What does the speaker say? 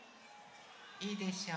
いいでしょう？